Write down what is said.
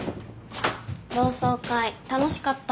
同窓会楽しかった？